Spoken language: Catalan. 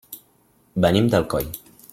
Venim d'Alcoi.